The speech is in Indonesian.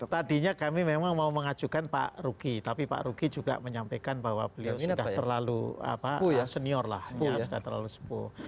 tadinya kami memang mau mengajukan pak ruki tapi pak ruki juga menyampaikan bahwa beliau sudah terlalu senior lah sudah terlalu sempuh